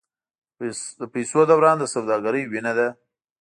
د پیسو دوران د سوداګرۍ وینه ده.